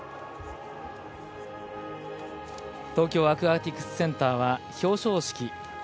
東京アクアティクスセンターは表彰式。